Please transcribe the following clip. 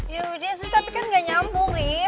yaudah sih tapi kan gak nyambung nih